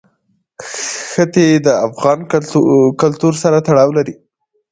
ښتې د افغان کلتور سره تړاو لري.